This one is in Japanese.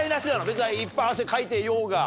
別にいっぱい汗かいていようが。